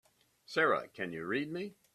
Sara can you read me?